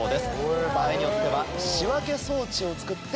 場合によっては。